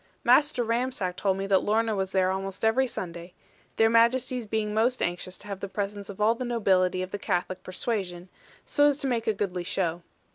Master Ramsack told me that Lorna was there almost every Sunday; their Majesties being most anxious to have the presence of all the nobility of the Catholic persuasion, so as to make a goodly show.